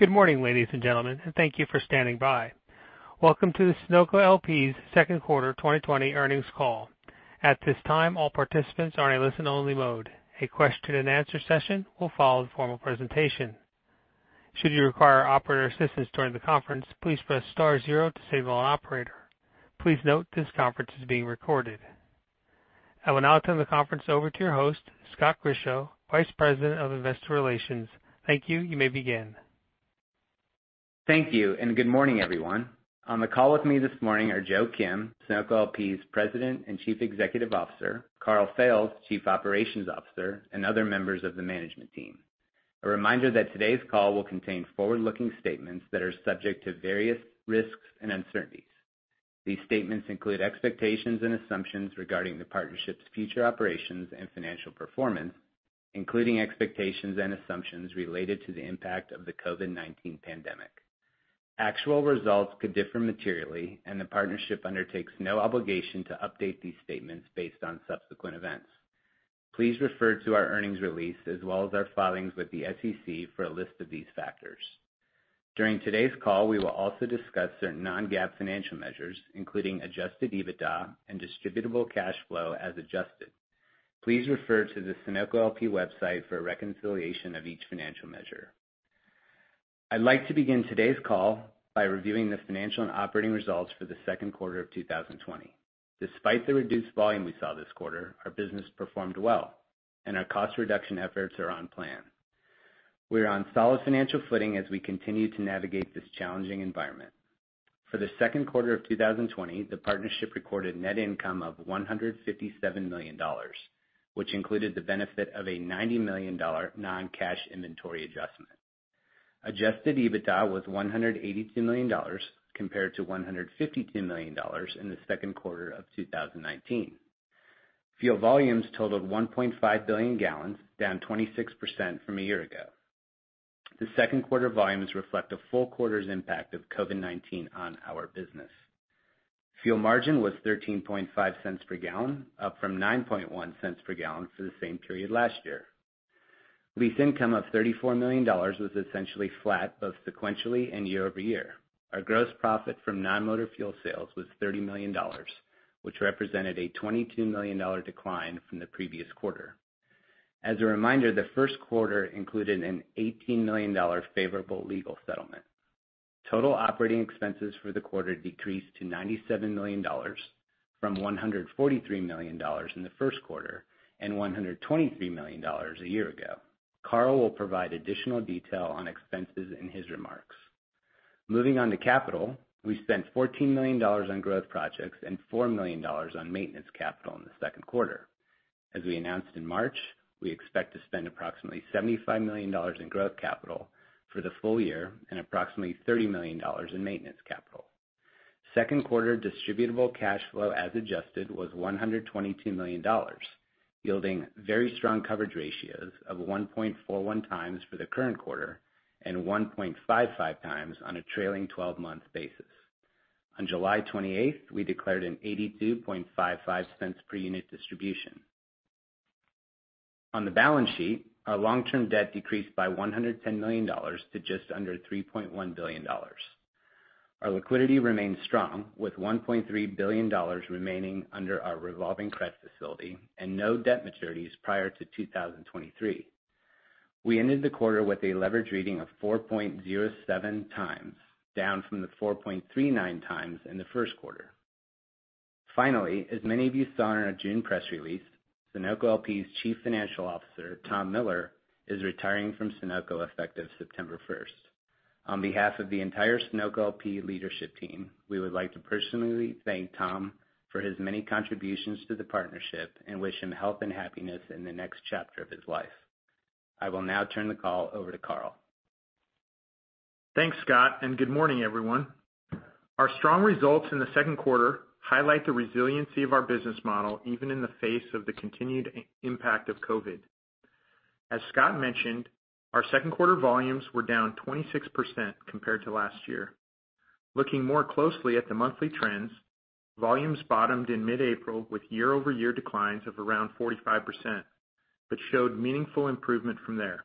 Good morning, ladies and gentlemen, and thank you for standing by. Welcome to the Sunoco LP's second quarter 2020 earnings call. At this time, all participants are in a listen only mode. A question and answer session will follow the formal presentation. Should you require operator assistance during the conference, please press star zero to signal an operator. Please note this conference is being recorded. I will now turn the conference over to your host, Scott Grischow, Vice President of Investor Relations. Thank you. You may begin. Thank you. Good morning, everyone. On the call with me this morning are Joe Kim, Sunoco LP's President and Chief Executive Officer, Karl Fails, Chief Operations Officer, and other members of the management team. A reminder that today's call will contain forward-looking statements that are subject to various risks and uncertainties. These statements include expectations and assumptions regarding the partnership's future operations and financial performance, including expectations and assumptions related to the impact of the COVID-19 pandemic. Actual results could differ materially. The partnership undertakes no obligation to update these statements based on subsequent events. Please refer to our earnings release as well as our filings with the SEC for a list of these factors. During today's call, we will also discuss certain non-GAAP financial measures, including adjusted EBITDA and distributable cash flow as adjusted. Please refer to the Sunoco LP website for a reconciliation of each financial measure. I'd like to begin today's call by reviewing the financial and operating results for the second quarter of 2020. Despite the reduced volume we saw this quarter, our business performed well, and our cost reduction efforts are on plan. We are on solid financial footing as we continue to navigate this challenging environment. For the second quarter of 2020, the partnership recorded net income of $157 million, which included the benefit of a $90 million non-cash inventory adjustment. Adjusted EBITDA was $182 million, compared to $152 million in the second quarter of 2019. Fuel volumes totaled 1.5 billion gallons, down 26% from a year ago. The second quarter volumes reflect a full quarter's impact of COVID-19 on our business. Fuel margin was $0.135 per gallon, up from $0.091 per gallon for the same period last year. Lease income of $34 million was essentially flat, both sequentially and year-over-year. Our gross profit from non-motor fuel sales was $30 million, which represented a $22 million decline from the previous quarter. As a reminder, the first quarter included an $18 million favorable legal settlement. Total operating expenses for the quarter decreased to $97 million from $143 million in the first quarter and $123 million a year ago. Karl will provide additional detail on expenses in his remarks. Moving on to capital, we spent $14 million on growth projects and $4 million on maintenance capital in the second quarter. As we announced in March, we expect to spend approximately $75 million in growth capital for the full-year and approximately $30 million in maintenance capital. Second quarter distributable cash flow as adjusted was $122 million, yielding very strong coverage ratios of 1.41x for the current quarter and 1.55x on a trailing 12-month basis. On July 28th, we declared an $0.8255 per unit distribution. On the balance sheet, our long-term debt decreased by $110 million to just under $3.1 billion. Our liquidity remains strong with $1.3 billion remaining under our revolving credit facility and no debt maturities prior to 2023. We ended the quarter with a leverage rating of 4.07x, down from the 4.39x in the first quarter. Finally, as many of you saw in our June press release, Sunoco LP's Chief Financial Officer, Tom Miller, is retiring from Sunoco effective September 1st. On behalf of the entire Sunoco LP leadership team, we would like to personally thank Tom for his many contributions to the partnership and wish him health and happiness in the next chapter of his life. I will now turn the call over to Karl. Thanks, Scott, and good morning, everyone. Our strong results in the second quarter highlight the resiliency of our business model, even in the face of the continued impact of COVID. As Scott mentioned, our second quarter volumes were down 26% compared to last year. Looking more closely at the monthly trends, volumes bottomed in mid-April with year-over-year declines of around 45%, but showed meaningful improvement from there.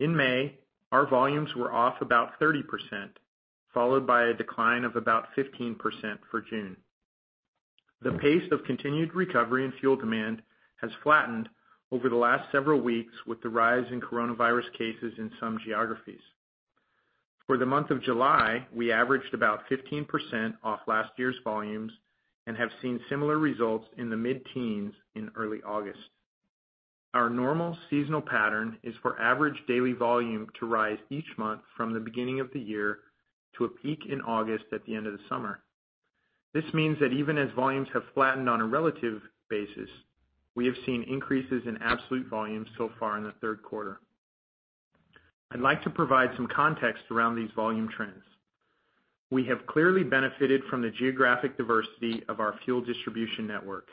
In May, our volumes were off about 30%, followed by a decline of about 15% for June. The pace of continued recovery and fuel demand has flattened over the last several weeks with the rise in coronavirus cases in some geographies. For the month of July, we averaged about 15% off last year's volumes and have seen similar results in the mid-teens in early August. Our normal seasonal pattern is for average daily volume to rise each month from the beginning of the year to a peak in August at the end of the summer. This means that even as volumes have flattened on a relative basis, we have seen increases in absolute volumes so far in the third quarter. I'd like to provide some context around these volume trends. We have clearly benefited from the geographic diversity of our fuel distribution network.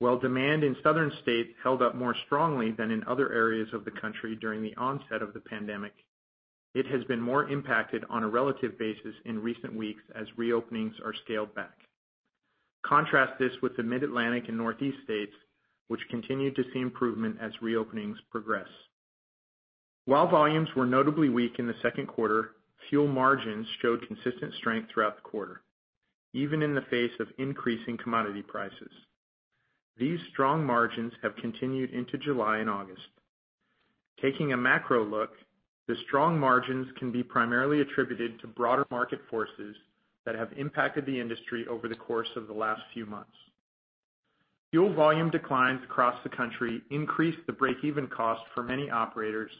While demand in southern states held up more strongly than in other areas of the country during the onset of the pandemic, it has been more impacted on a relative basis in recent weeks as reopenings are scaled back. Contrast this with the Mid-Atlantic and Northeast states, which continued to see improvement as reopenings progress. While volumes were notably weak in the second quarter, fuel margins showed consistent strength throughout the quarter, even in the face of increasing commodity prices. These strong margins have continued into July and August. Taking a macro look, the strong margins can be primarily attributed to broader market forces that have impacted the industry over the course of the last few months. Fuel volume declines across the country increased the break-even cost for many operators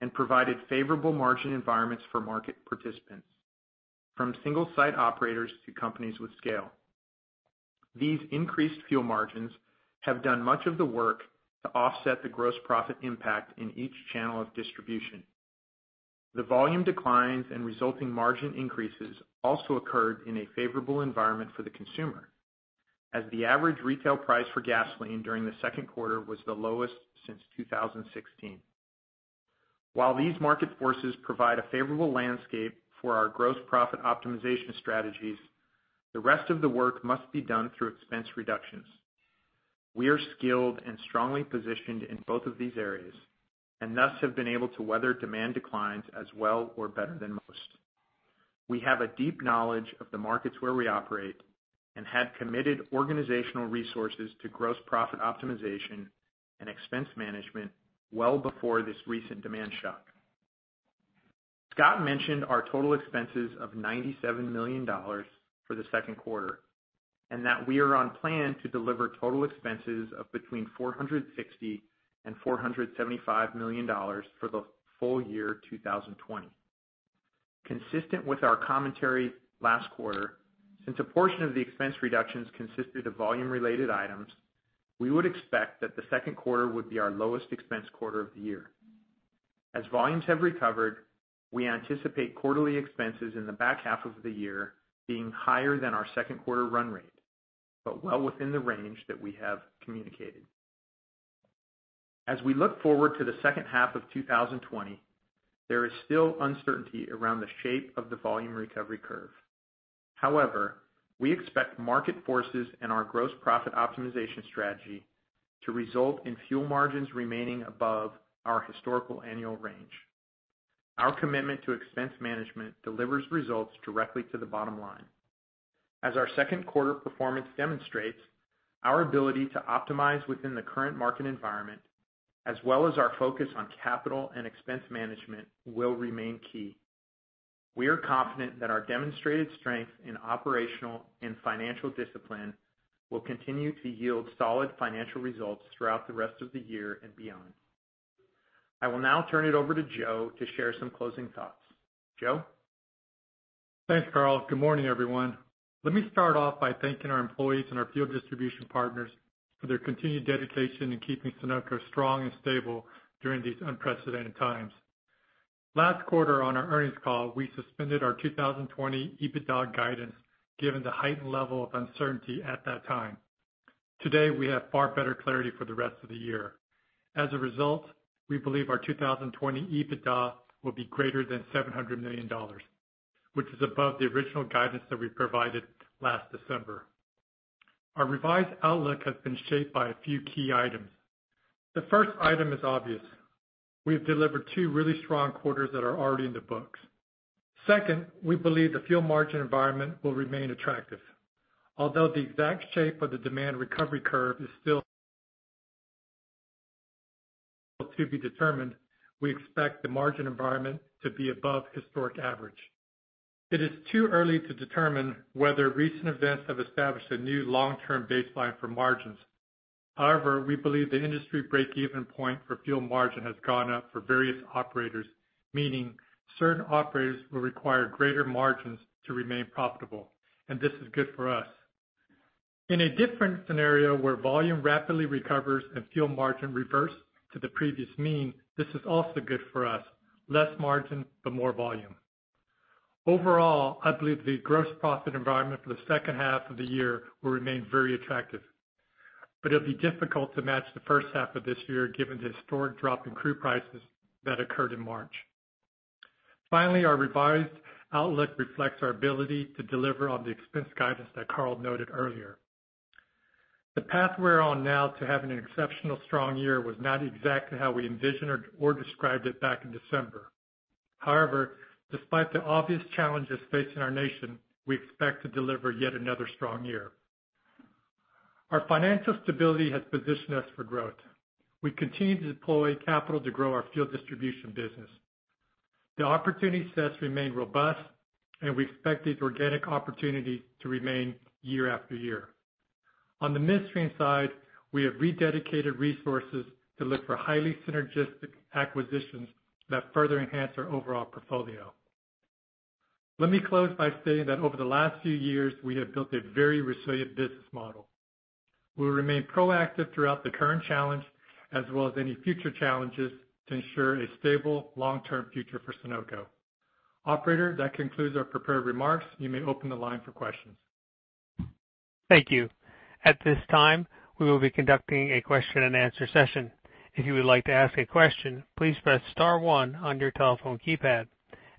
and provided favorable margin environments for market participants, from single-site operators to companies with scale. These increased fuel margins have done much of the work to offset the gross profit impact in each channel of distribution. The volume declines and resulting margin increases also occurred in a favorable environment for the consumer, as the average retail price for gasoline during the second quarter was the lowest since 2016. While these market forces provide a favorable landscape for our gross profit optimization strategies, the rest of the work must be done through expense reductions. We are skilled and strongly positioned in both of these areas, and thus have been able to weather demand declines as well or better than most. We have a deep knowledge of the markets where we operate and had committed organizational resources to gross profit optimization and expense management well before this recent demand shock. Scott mentioned our total expenses of $97 million for the second quarter, and that we are on plan to deliver total expenses of between $460 million and $475 million for the full-year 2020. Consistent with our commentary last quarter, since a portion of the expense reductions consisted of volume-related items, we would expect that the second quarter would be our lowest expense quarter of the year. As volumes have recovered, we anticipate quarterly expenses in the back half of the year being higher than our second quarter run rate, but well within the range that we have communicated. As we look forward to the second half of 2020, there is still uncertainty around the shape of the volume recovery curve. However, we expect market forces and our gross profit optimization strategy to result in fuel margins remaining above our historical annual range. Our commitment to expense management delivers results directly to the bottom line. As our second quarter performance demonstrates, our ability to optimize within the current market environment, as well as our focus on capital and expense management, will remain key. We are confident that our demonstrated strength in operational and financial discipline will continue to yield solid financial results throughout the rest of the year and beyond. I will now turn it over to Joe to share some closing thoughts. Joe? Thanks, Karl. Good morning, everyone. Let me start off by thanking our employees and our field distribution partners for their continued dedication in keeping Sunoco strong and stable during these unprecedented times. Last quarter on our earnings call, we suspended our 2020 EBITDA guidance, given the heightened level of uncertainty at that time. Today, we have far better clarity for the rest of the year. As a result, we believe our 2020 EBITDA will be greater than $700 million, which is above the original guidance that we provided last December. Our revised outlook has been shaped by a few key items. The first item is obvious. We've delivered two really strong quarters that are already in the books. Second, we believe the fuel margin environment will remain attractive. Although the exact shape of the demand recovery curve is still to be determined, we expect the margin environment to be above historic average. It is too early to determine whether recent events have established a new long-term baseline for margins. However, we believe the industry break-even point for fuel margin has gone up for various operators, meaning certain operators will require greater margins to remain profitable, and this is good for us. In a different scenario where volume rapidly recovers and fuel margin reverse to the previous mean, this is also good for us. Less margin, more volume. Overall, I believe the gross profit environment for the second half of the year will remain very attractive, but it'll be difficult to match the first half of this year given the historic drop in crude prices that occurred in March. Our revised outlook reflects our ability to deliver on the expense guidance that Karl noted earlier. The path we're on now to having an exceptional strong year was not exactly how we envisioned or described it back in December. Despite the obvious challenges facing our nation, we expect to deliver yet another strong year. Our financial stability has positioned us for growth. We continue to deploy capital to grow our fuel distribution business. The opportunity sets remain robust, and we expect these organic opportunities to remain year after year. On the midstream side, we have rededicated resources to look for highly synergistic acquisitions that further enhance our overall portfolio. Let me close by saying that over the last few years, we have built a very resilient business model. We'll remain proactive throughout the current challenge as well as any future challenges to ensure a stable long-term future for Sunoco. Operator, that concludes our prepared remarks. You may open the line for questions. Thank you. At this time, we will be conducting a question and answer session. If you would like to ask a question, please press star one on your telephone keypad.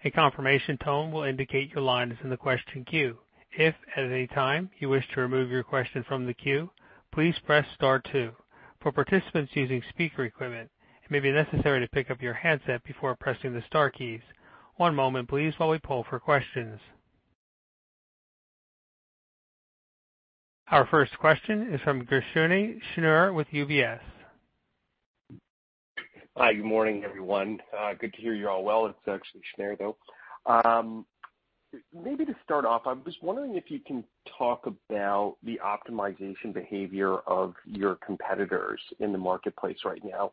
A confirmation tone will indicate your line is in the question queue. If, at any time, you wish to remove your question from the queue, please press star two. For participants using speaker equipment, it may be necessary to pick up your handset before pressing the star keys. One moment, please, while we poll for questions. Our first question is from Shneur Gershuni with UBS. Hi, good morning, everyone. Good to hear you're all well. It's actually Shneur, though. Maybe to start off, I'm just wondering if you can talk about the optimization behavior of your competitors in the marketplace right now.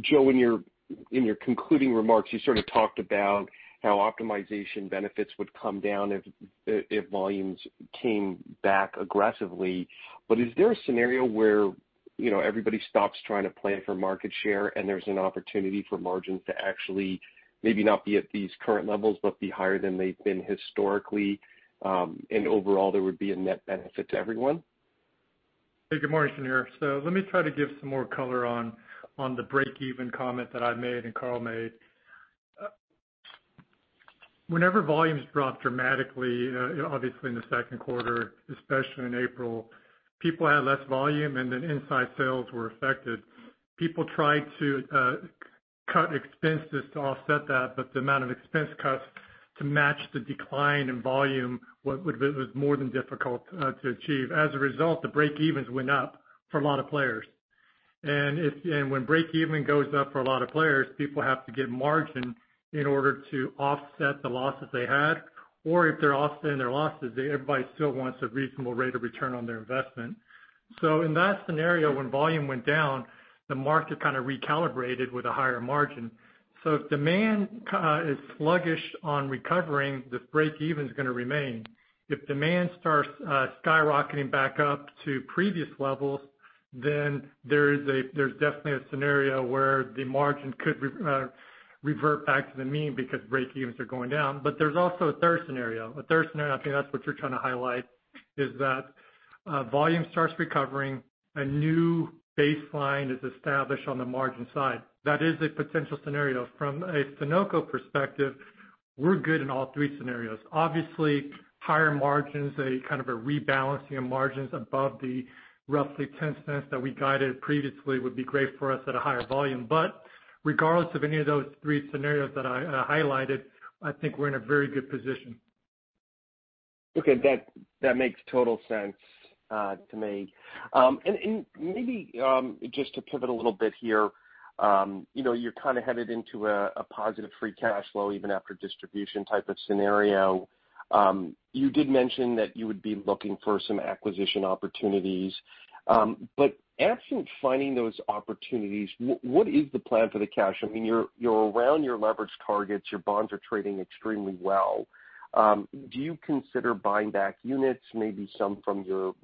Joe, in your concluding remarks, you sort of talked about how optimization benefits would come down if volumes came back aggressively. Is there a scenario where everybody stops trying to plan for market share, and there's an opportunity for margins to actually maybe not be at these current levels, but be higher than they've been historically, and overall, there would be a net benefit to everyone? Hey, good morning, Shneur. Let me try to give some more color on the break-even comment that I made and Karl made. Whenever volumes dropped dramatically, obviously in the second quarter, especially in April, people had less volume, then inside sales were affected. People tried to cut expenses to offset that, the amount of expense cuts to match the decline in volume was more than difficult to achieve. As a result, the break-evens went up for a lot of players. When break-even goes up for a lot of players, people have to get margin in order to offset the losses they had, or if they're offsetting their losses, everybody still wants a reasonable rate of return on their investment. In that scenario, when volume went down, the market kind of recalibrated with a higher margin. If demand is sluggish on recovering, the break-even's going to remain. If demand starts skyrocketing back up to previous levels, then there's definitely a scenario where the margin could revert back to the mean because break-evens are going down. There's also a third scenario. A third scenario, I think that's what you're trying to highlight, is that volume starts recovering. A new baseline is established on the margin side. That is a potential scenario. From a Sunoco perspective, we're good in all three scenarios. Obviously, higher margins, a kind of a rebalancing of margins above the roughly $0.10 that we guided previously would be great for us at a higher volume. Regardless of any of those three scenarios that I highlighted, I think we're in a very good position. Okay. That makes total sense to me. Maybe just to pivot a little bit here. You're headed into a positive free cash flow, even after distribution type of scenario. You did mention that you would be looking for some acquisition opportunities. Absent finding those opportunities, what is the plan for the cash? You're around your leverage targets. Your bonds are trading extremely well. Do you consider buying back units, maybe some from your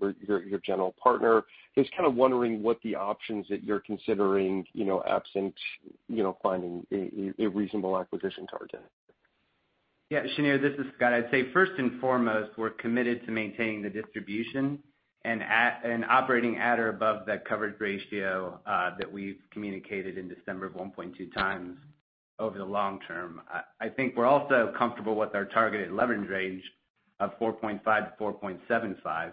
general partner? Just kind of wondering what the options that you're considering absent finding a reasonable acquisition target. Yeah, Shneur, this is Scott. I'd say first and foremost, we're committed to maintaining the distribution and operating at or above that coverage ratio that we've communicated in December of 1.2x over the long term. I think we're also comfortable with our targeted leverage range of 4.5-4.75.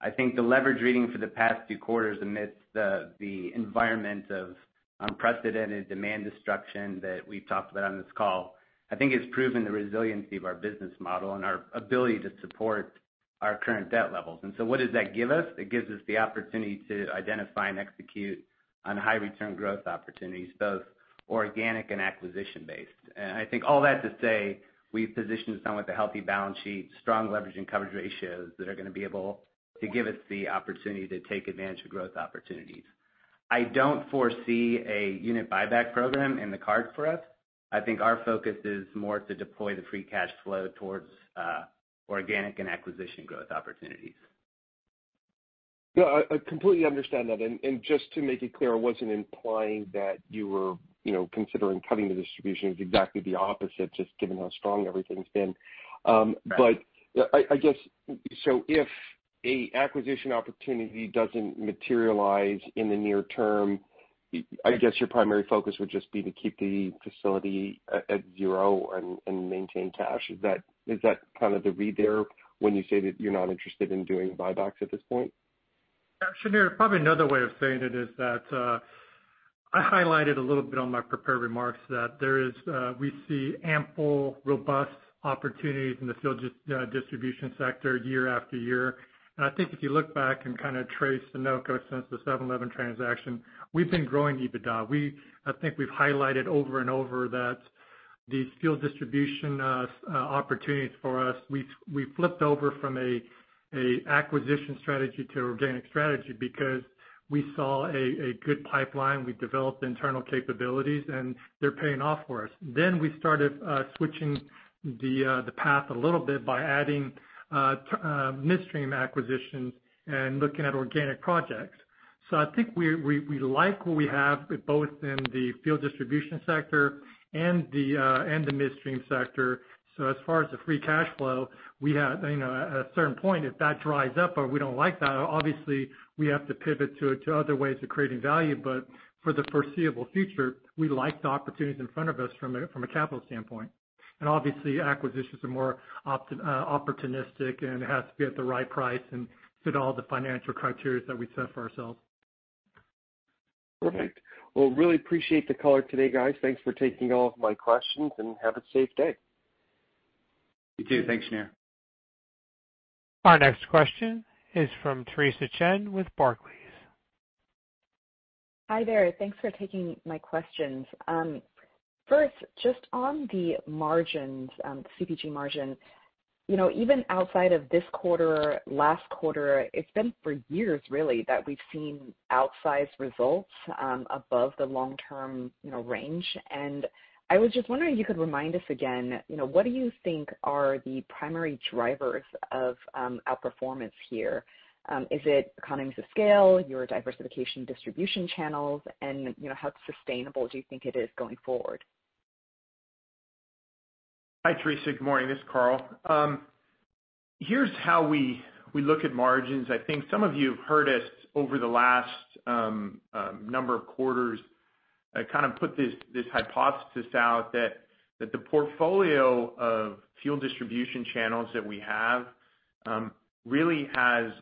I think the leverage reading for the past two quarters amidst the environment of unprecedented demand destruction that we've talked about on this call, I think has proven the resiliency of our business model and our ability to support our current debt levels. What does that give us? It gives us the opportunity to identify and execute on high return growth opportunities, both organic and acquisition based. I think all that to say, we've positioned this now with a healthy balance sheet, strong leverage and coverage ratios that are going to be able to give us the opportunity to take advantage of growth opportunities. I don't foresee a unit buyback program in the cards for us. I think our focus is more to deploy the free cash flow towards organic and acquisition growth opportunities. No, I completely understand that. Just to make it clear, I wasn't implying that you were considering cutting the distribution. It's exactly the opposite, just given how strong everything's been. Right. I guess, if an acquisition opportunity doesn't materialize in the near term, I guess your primary focus would just be to keep the facility at zero and maintain cash. Is that the read there when you say that you're not interested in doing buybacks at this point? Yeah. Shneur, probably another way of saying it is that I highlighted a little bit on my prepared remarks that we see ample, robust opportunities in the fuel distribution sector year after year. I think if you look back and trace Sunoco since the 7-Eleven transaction, we've been growing EBITDA. I think we've highlighted over and over that these fuel distribution opportunities for us, we flipped over from an acquisition strategy to organic strategy because we saw a good pipeline. We developed internal capabilities, and they're paying off for us. We started switching the path a little bit by adding midstream acquisitions and looking at organic projects. I think we like what we have both in the fuel distribution sector and the midstream sector. As far as the free cash flow, we have, at a certain point, if that dries up or we don't like that, obviously we have to pivot to other ways of creating value. For the foreseeable future, we like the opportunities in front of us from a capital standpoint. Obviously, acquisitions are more opportunistic, and it has to be at the right price and fit all the financial criteria that we set for ourselves. Perfect. Well, really appreciate the call today, guys. Thanks for taking all of my questions. Have a safe day. You too. Thanks, Shneur. Our next question is from Theresa Chen with Barclays. Hi there. Thanks for taking my questions. First, just on the CPG margin. Even outside of this quarter, last quarter, it's been for years really that we've seen outsized results above the long-term range. I was just wondering if you could remind us again, what do you think are the primary drivers of outperformance here? Is it economies of scale, your diversification distribution channels, and how sustainable do you think it is going forward? Hi, Theresa. Good morning. This is Karl. Here's how we look at margins. I think some of you have heard us over the last number of quarters, kind of put this hypothesis out that the portfolio of fuel distribution channels that we have really has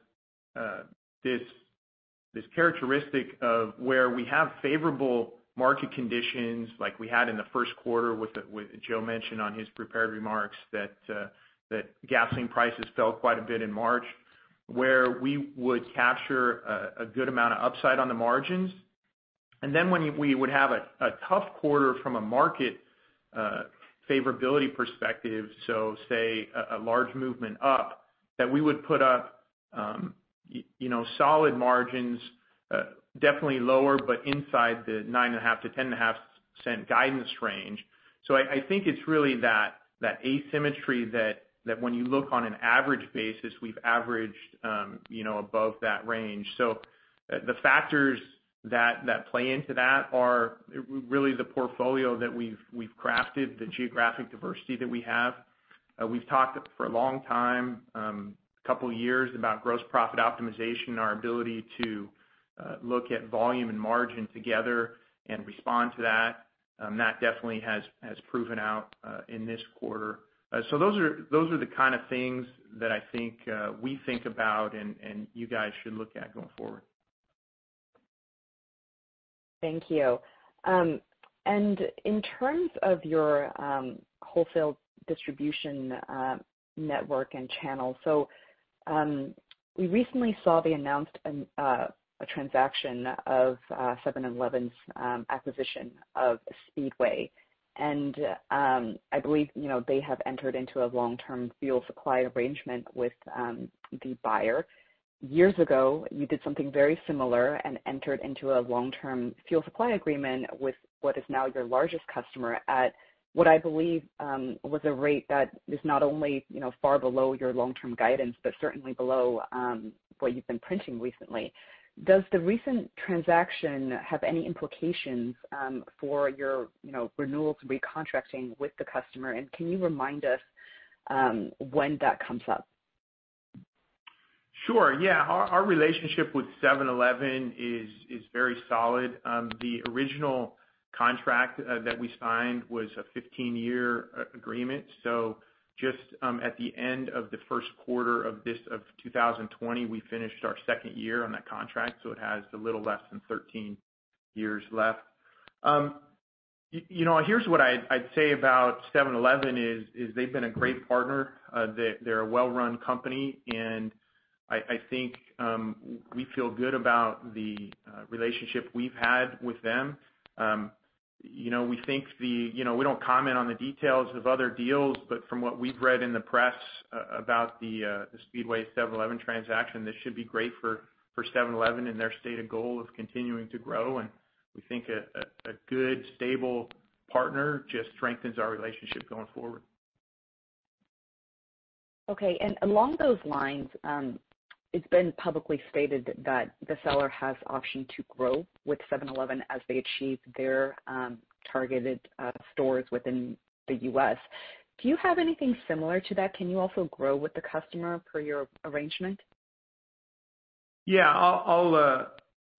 this characteristic of where we have favorable market conditions like we had in the first quarter with Joe mentioned on his prepared remarks that gasoline prices fell quite a bit in March, where we would capture a good amount of upside on the margins. When we would have a tough quarter from a market favorability perspective, so say a large movement up, that we would put up solid margins, definitely lower, but inside the $0.095-$0.105 guidance range. I think it's really that asymmetry that when you look on an average basis, we've averaged above that range. The factors that play into that are really the portfolio that we've crafted, the geographic diversity that we have. We've talked for a long time, a couple of years, about gross profit optimization, our ability to look at volume and margin together and respond to that. That definitely has proven out in this quarter. Those are the kind of things that I think we think about and you guys should look at going forward. Thank you. In terms of your wholesale distribution network and channels, we recently saw the announced transaction of 7-Eleven's acquisition of Speedway. I believe they have entered into a long-term fuel supply arrangement with the buyer. Years ago, you did something very similar and entered into a long-term fuel supply agreement with what is now your largest customer at what I believe was a rate that is not only far below your long-term guidance, but certainly below what you've been printing recently. Does the recent transaction have any implications for your renewals and recontracting with the customer? Can you remind us when that comes up? Sure. Yeah. Our relationship with 7-Eleven is very solid. The original contract that we signed was a 15-year agreement. Just at the end of the first quarter of 2020, we finished our second year on that contract, so it has a little less than 13 years left. Here's what I'd say about 7-Eleven is, they've been a great partner. They're a well-run company, and I think we feel good about the relationship we've had with them. We don't comment on the details of other deals, but from what we've read in the press about the Speedway 7-Eleven transaction, this should be great for 7-Eleven and their stated goal of continuing to grow. We think a good, stable partner just strengthens our relationship going forward. Okay. Along those lines, it's been publicly stated that the seller has option to grow with 7-Eleven as they achieve their targeted stores within the U.S. Do you have anything similar to that? Can you also grow with the customer per your arrangement? Yeah.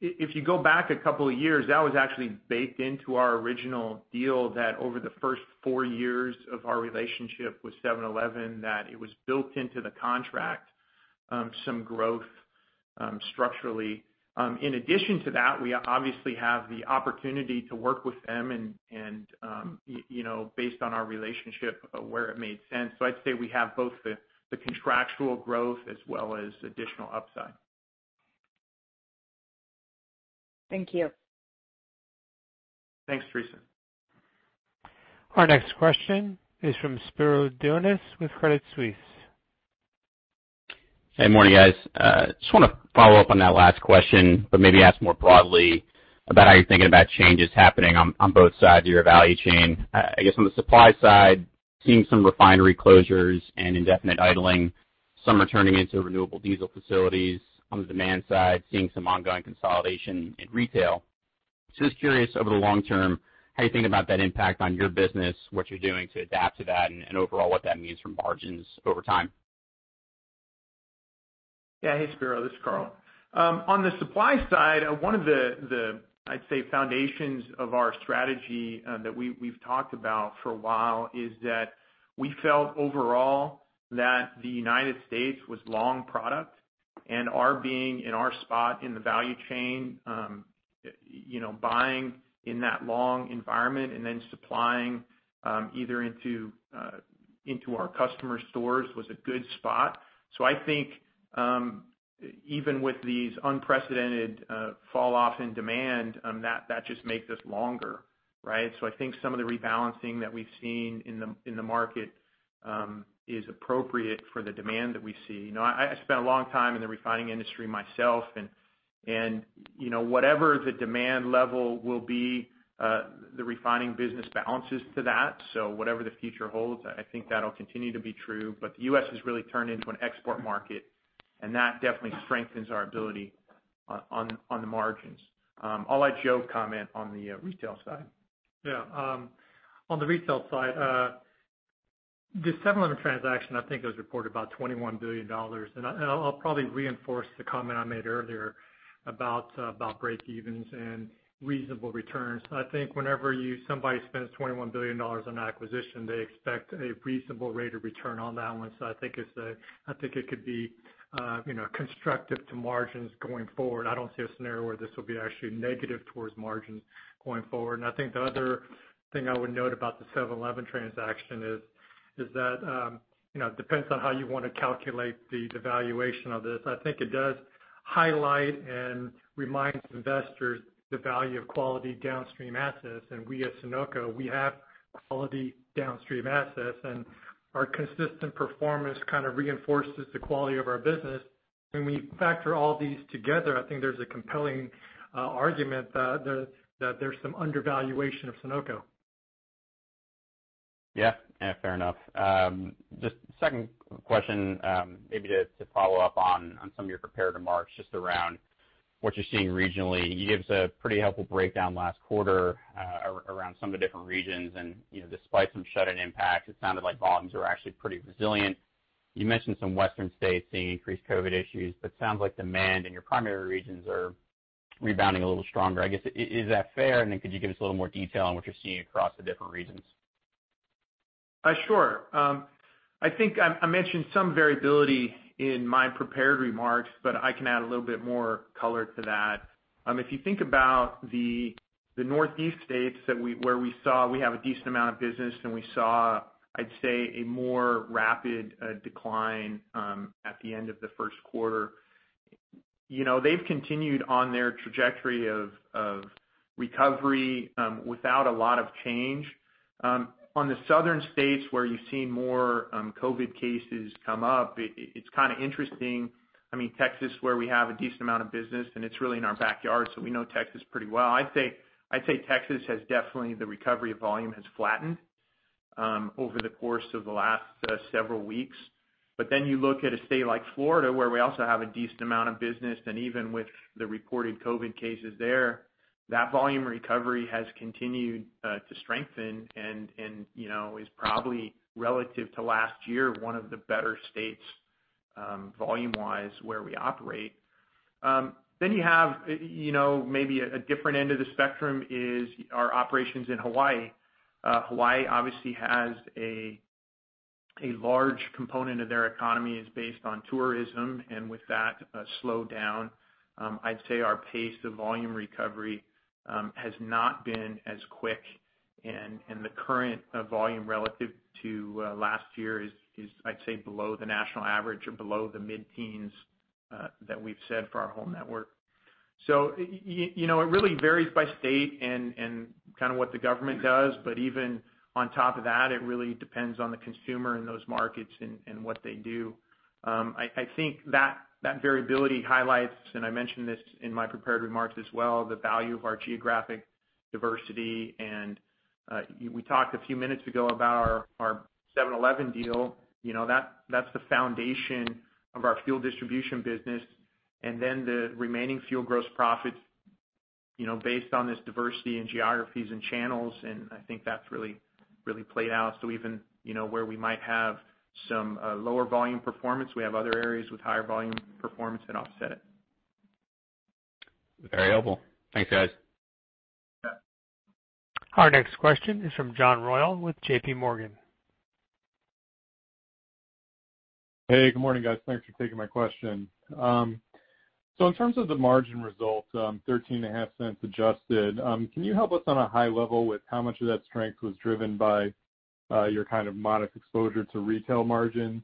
If you go back a couple of years, that was actually baked into our original deal that over the first four years of our relationship with 7-Eleven, that it was built into the contract, some growth structurally. In addition to that, we obviously have the opportunity to work with them and based on our relationship where it made sense. I'd say we have both the contractual growth as well as additional upside. Thank you. Thanks, Theresa. Our next question is from Spiro Dounis with Credit Suisse. Morning, guys. Just want to follow up on that last question, but maybe ask more broadly about how you're thinking about changes happening on both sides of your value chain, I guess on the supply side. Seeing some refinery closures and indefinite idling, some are turning into renewable diesel facilities. On the demand side, seeing some ongoing consolidation in retail. Just curious, over the long term, how you think about that impact on your business, what you're doing to adapt to that, and overall, what that means for margins over time. Yeah. Hey, Spiro, this is Karl. On the supply side, one of the, I'd say, foundations of our strategy that we've talked about for a while is that we felt overall that the United States was long product, and our being in our spot in the value chain, buying in that long environment and then supplying either into our customer stores was a good spot. I think, even with these unprecedented fall-off in demand, that just makes us longer, right? I think some of the rebalancing that we've seen in the market is appropriate for the demand that we see. I spent a long time in the refining industry myself, and whatever the demand level will be, the refining business balances to that. Whatever the future holds, I think that'll continue to be true. The U.S. has really turned into an export market, and that definitely strengthens our ability on the margins. I'll let Joe comment on the retail side. Yeah. On the retail side, the 7-Eleven transaction, I think, was reported about $21 billion. I'll probably reinforce the comment I made earlier about breakevens and reasonable returns. I think whenever somebody spends $21 billion on an acquisition, they expect a reasonable rate of return on that one. I think it could be constructive to margins going forward. I don't see a scenario where this will be actually negative towards margins going forward. I think the other thing I would note about the 7-Eleven transaction is that, it depends on how you want to calculate the valuation of this. I think it does highlight and reminds investors the value of quality downstream assets. We at Sunoco, we have quality downstream assets, and our consistent performance kind of reinforces the quality of our business. When we factor all these together, I think there's a compelling argument that there's some undervaluation of Sunoco. Yeah. Fair enough. Just second question, maybe to follow up on some of your prepared remarks just around what you're seeing regionally. You gave us a pretty helpful breakdown last quarter around some of the different regions. Despite some shutdown impacts, it sounded like volumes were actually pretty resilient. You mentioned some western states seeing increased COVID issues. Sounds like demand in your primary regions are rebounding a little stronger. I guess, is that fair? Could you give us a little more detail on what you're seeing across the different regions? Sure. I think I mentioned some variability in my prepared remarks, but I can add a little bit more color to that. If you think about the Northeast states where we have a decent amount of business and we saw, I'd say, a more rapid decline at the end of the first quarter. They've continued on their trajectory of recovery without a lot of change. On the southern states, where you've seen more COVID cases come up, it's kind of interesting. Texas, where we have a decent amount of business, and it's really in our backyard, so we know Texas pretty well. I'd say Texas has definitely the recovery volume has flattened over the course of the last several weeks. You look at a state like Florida, where we also have a decent amount of business, and even with the reported COVID cases there, that volume recovery has continued to strengthen and is probably relative to last year, one of the better states, volume-wise, where we operate. You have maybe a different end of the spectrum is our operations in Hawaii. Hawaii obviously has a large component of their economy is based on tourism, and with that slowdown, I'd say our pace of volume recovery has not been as quick, and the current volume relative to last year is, I'd say, below the national average or below the mid-teens that we've said for our whole network. It really varies by state and what the government does, but even on top of that, it really depends on the consumer in those markets and what they do. I think that variability highlights, and I mentioned this in my prepared remarks as well, the value of our geographic diversity. We talked a few minutes ago about our 7-Eleven deal. That's the foundation of our fuel distribution business. The remaining fuel gross profit, based on this diversity in geographies and channels, and I think that's really played out. Even where we might have some lower volume performance, we have other areas with higher volume performance that offset it. Very helpful. Thanks, guys. Yeah. Our next question is from John Royall with JPMorgan. Hey, good morning, guys. Thanks for taking my question. In terms of the margin result, $0.135 adjusted, can you help us on a high level with how much of that strength was driven by your kind of modest exposure to retail margins?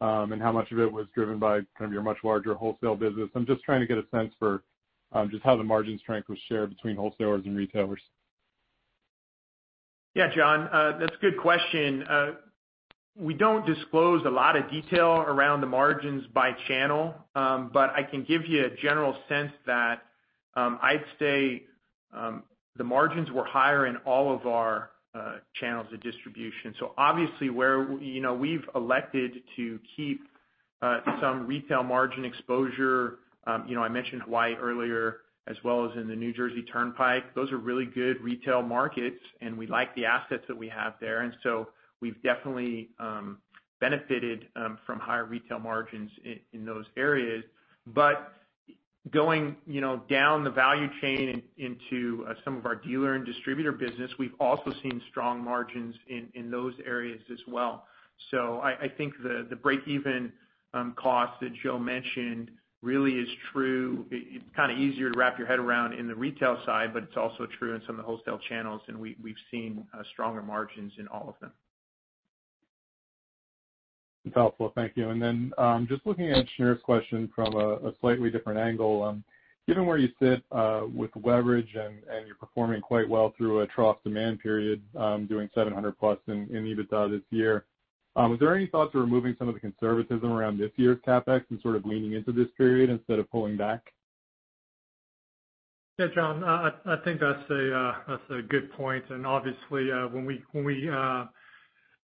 How much of it was driven by your much larger wholesale business? I'm just trying to get a sense for just how the margin strength was shared between wholesalers and retailers. Yeah, John. That's a good question. We don't disclose a lot of detail around the margins by channel, but I can give you a general sense that I'd say the margins were higher in all of our channels of distribution. Obviously, we've elected to keep some retail margin exposure. I mentioned Hawaii earlier, as well as in the New Jersey Turnpike. Those are really good retail markets, and we like the assets that we have there. We've definitely benefited from higher retail margins in those areas. Going down the value chain into some of our dealer and distributor business, we've also seen strong margins in those areas as well. I think the break-even cost that Joe mentioned really is true. It's easier to wrap your head around in the retail side, but it's also true in some of the wholesale channels, and we've seen stronger margins in all of them. That's helpful. Thank you. Just looking at Shneur's question from a slightly different angle. Given where you sit with leverage and you're performing quite well through a trough demand period, doing $700 million+ in EBITDA this year, was there any thought to removing some of the conservatism around this year's CapEx and sort of leaning into this period instead of pulling back? Yeah, John, I think that's a good point. Obviously, when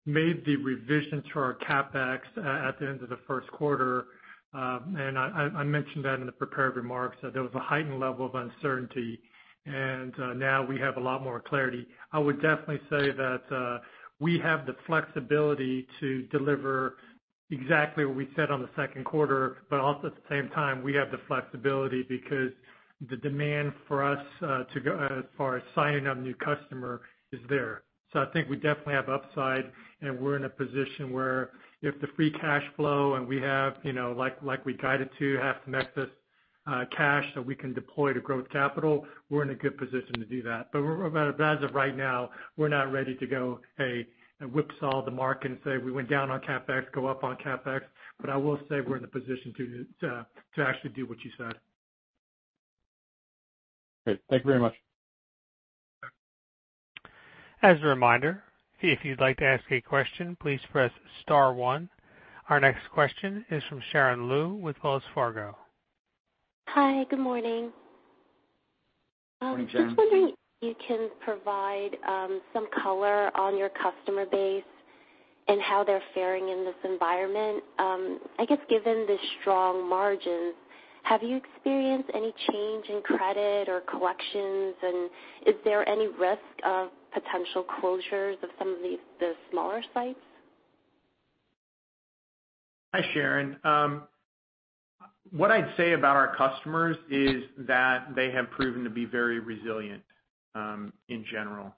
we made the revision to our CapEx at the end of the first quarter, and I mentioned that in the prepared remarks, that there was a heightened level of uncertainty, and now we have a lot more clarity. I would definitely say that we have the flexibility to deliver exactly what we said on the second quarter, but also at the same time, we have the flexibility because the demand for us as far as signing up new customer is there. I think we definitely have upside, and we're in a position where if the free cash flow, and we have like we guided to, have some excess cash that we can deploy to growth capital, we're in a good position to do that. As of right now, we're not ready to go and whipsaw the market and say we went down on CapEx, go up on CapEx, but I will say we're in the position to actually do what you said. Great. Thank you very much. As a reminder, if you'd like to ask a question, please press star one. Our next question is from Sharon Lu with Wells Fargo. Hi, good morning. Good morning, Sharon. Just wondering if you can provide some color on your customer base and how they're faring in this environment. I guess given the strong margins, have you experienced any change in credit or collections, and is there any risk of potential closures of some of the smaller sites? Hi, Sharon. What I'd say about our customers is that they have proven to be very resilient in general.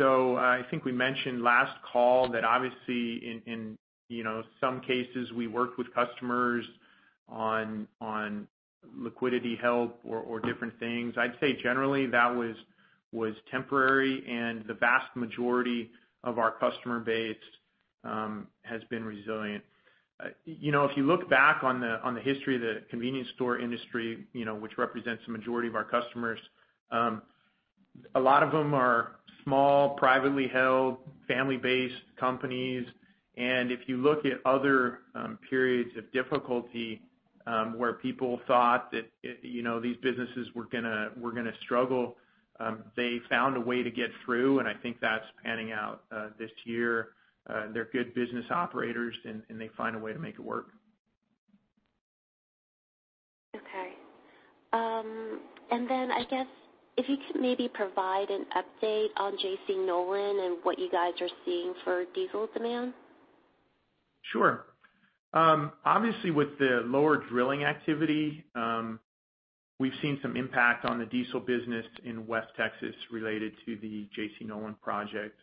I think we mentioned last call that obviously in some cases we worked with customers on liquidity help or different things. I'd say generally that was temporary and the vast majority of our customer base has been resilient. If you look back on the history of the convenience store industry which represents the majority of our customers, a lot of them are small, privately held, family-based companies. If you look at other periods of difficulty, where people thought that these businesses were going to struggle, they found a way to get through, and I think that's panning out this year. They're good business operators, and they find a way to make it work. Okay. I guess if you could maybe provide an update on JC Nolan and what you guys are seeing for diesel demand? Sure. Obviously, with the lower drilling activity, we've seen some impact on the diesel business in West Texas related to the JC Nolan project.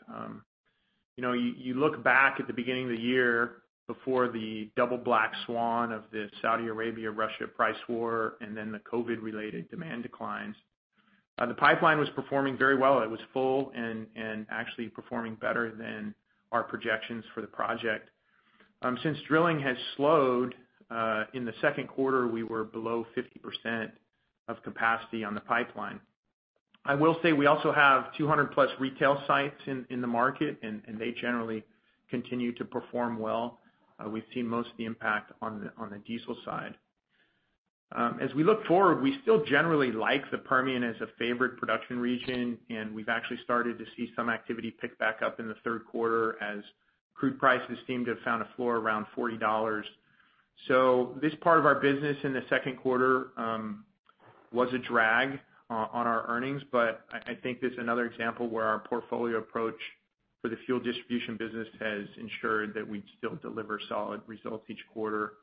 You look back at the beginning of the year before the double black swan of the Saudi Arabia, Russia price war, and then the COVID related demand declines. The pipeline was performing very well. It was full and actually performing better than our projections for the project. Since drilling has slowed, in the second quarter, we were below 50% of capacity on the pipeline. I will say we also have 200-plus retail sites in the market, and they generally continue to perform well. We've seen most of the impact on the diesel side. As we look forward, we still generally like the Permian as a favorite production region, and we've actually started to see some activity pick back up in the third quarter as crude prices seem to have found a floor around $40. This part of our business in the second quarter was a drag on our earnings, but I think this is another example where our portfolio approach for the fuel distribution business has ensured that we still deliver solid results each quarter.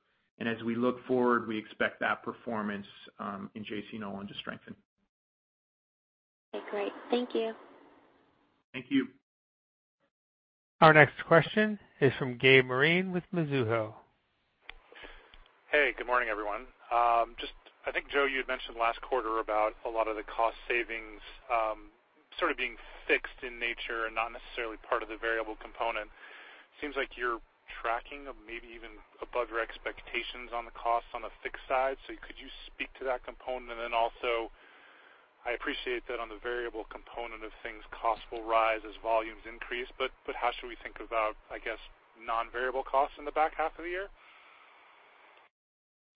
As we look forward, we expect that performance in JC Nolan to strengthen. Okay, great. Thank you. Thank you. Our next question is from Gabriel Moreen with Mizuho. Hey, good morning, everyone. I think, Joe, you had mentioned last quarter about a lot of the cost savings sort of being fixed in nature and not necessarily part of the variable component. Seems like you're tracking or maybe even above your expectations on the cost on the fixed side. Could you speak to that component? Also I appreciate that on the variable component of things, costs will rise as volumes increase, but how should we think about, I guess, non-variable costs in the back half of the year?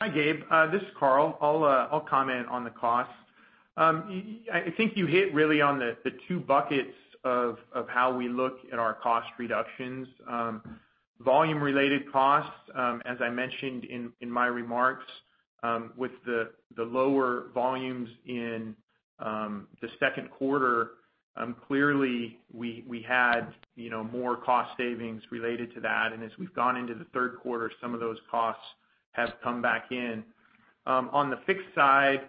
Hi, Gabe. This is Karl. I'll comment on the costs. I think you hit really on the two buckets of how we look at our cost reductions. Volume-related costs, as I mentioned in my remarks, with the lower volumes in the second quarter, clearly we had more cost savings related to that. As we've gone into the third quarter, some of those costs have come back in. On the fixed side,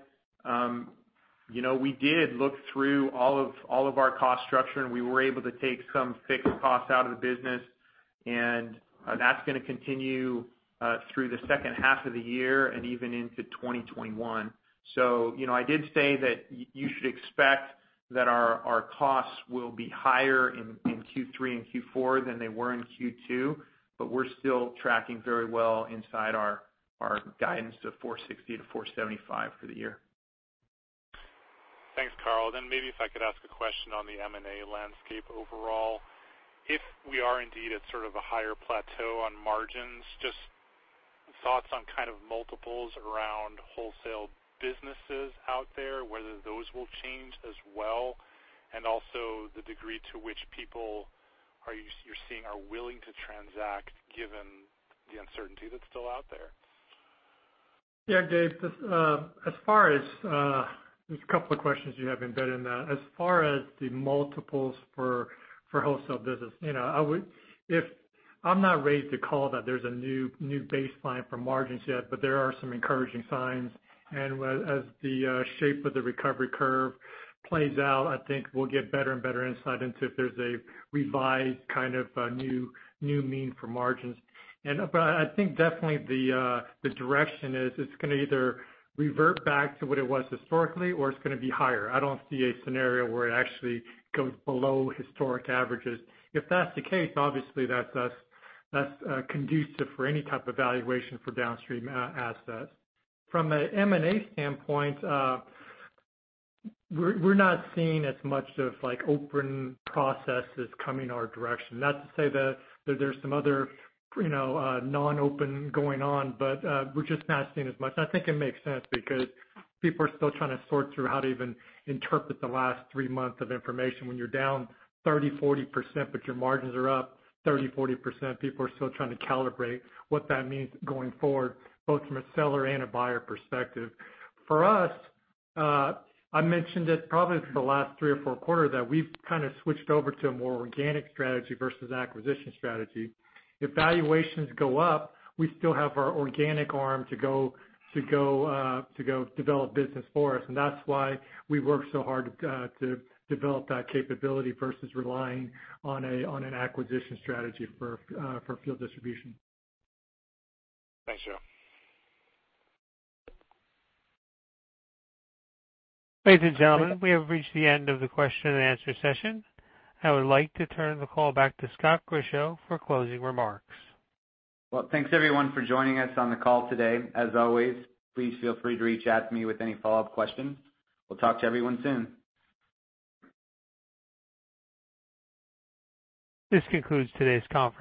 we did look through all of our cost structure, and we were able to take some fixed costs out of the business, and that's going to continue through the second half of the year and even into 2021. I did say that you should expect that our costs will be higher in Q3 and Q4 than they were in Q2, but we're still tracking very well inside our guidance of $460-$475 for the year. Thanks, Karl. Maybe if I could ask a question on the M&A landscape overall. If we are indeed at sort of a higher plateau on margins, just thoughts on kind of multiples around wholesale businesses out there, whether those will change as well, and also the degree to which people you're seeing are willing to transact given the uncertainty that's still out there. Yeah, Gabe. There's a couple of questions you have embedded in that. As far as the multiples for wholesale business, I'm not ready to call that there's a new baseline for margins yet, but there are some encouraging signs. As the shape of the recovery curve plays out, I think we'll get better and better insight into if there's a revised kind of a new mean for margins. I think definitely the direction is it's going to either revert back to what it was historically or it's going to be higher. I don't see a scenario where it actually goes below historic averages. If that's the case, obviously that's conducive for any type of valuation for downstream assets. From a M&A standpoint, we're not seeing as much of open processes coming our direction. Not to say that there's some other non-open going on, but we're just not seeing as much. I think it makes sense because people are still trying to sort through how to even interpret the last three months of information. When you're down 30%-40%, but your margins are up 30%-40%, people are still trying to calibrate what that means going forward, both from a seller and a buyer perspective. For us, I mentioned it probably the last three or four quarter that we've kind of switched over to a more organic strategy versus acquisition strategy. If valuations go up, we still have our organic arm to go develop business for us, and that's why we work so hard to develop that capability versus relying on an acquisition strategy for fuel distribution. Thanks, Joe. Ladies and gentlemen, we have reached the end of the question and answer session. I would like to turn the call back to Scott Grischow for closing remarks. Thanks everyone for joining us on the call today. As always, please feel free to reach out to me with any follow-up questions. We'll talk to everyone soon. This concludes today's conference.